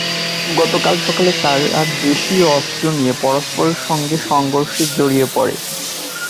গতকাল সকালে তাঁরা দেশীয় অস্ত্র নিয়ে পরস্পরের সঙ্গে সংঘর্ষে জড়িয়ে পড়ে।